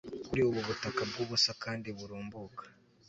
kuri ubu butaka bwubusa kandi burumbuka